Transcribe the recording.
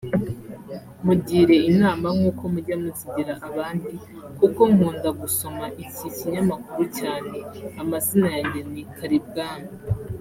Mugire inama nk’uko mujya muzigira abandi kuko nkunda gusoma iki kinyamakuru cyane amazina yanjye ni Karibwami